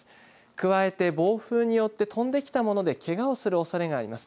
加えて、暴風によって飛んできたものでけがをするおそれがあります。